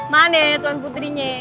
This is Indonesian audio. mana ya tuan putrinye